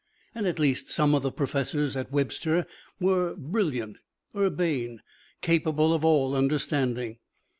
And at least some of the professors at Webster were brilliant, urbane, capable of all understanding.